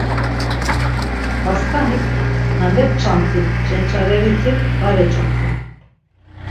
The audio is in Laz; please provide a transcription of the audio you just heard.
Dasǩanik, na mepçamt̆i cenç̌areriti var eç̌opu.